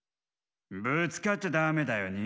ぶつかっちゃダメだよね。